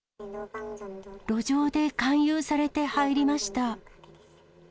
路上で勧誘されて入りました。